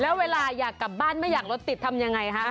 แล้วเวลาอยากกลับบ้านไม่อยากรถติดทำยังไงคะ